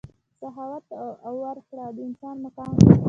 سخاوت او ورکړه د انسان مقام لوړوي.